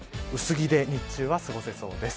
薄着で日中は過ごせそうです。